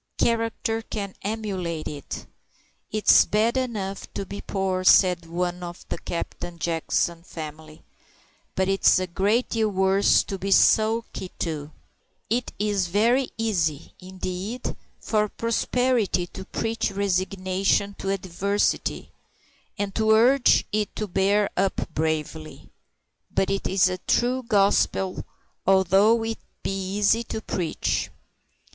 Character can emulate it. "It's bad enough to be poor," said one of the Captain Jackson family, "but it's a great deal worse to be sulky too." It is very easy, indeed, for prosperity to preach resignation to adversity, and to urge it to bear up bravely. But it is a true gospel, although it be easy to preach.